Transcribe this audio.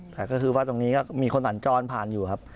แต่ก็คือว่าตรงนี้ก็มีคนสัญจรผ่านอยู่ครับ